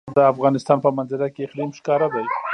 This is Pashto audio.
د افغانستان په منظره کې اقلیم ښکاره ده.